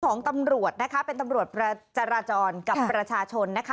ของตำรวจนะคะเป็นตำรวจจราจรกับประชาชนนะคะ